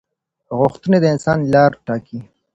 غوښتنې د انسان لار ټاکي.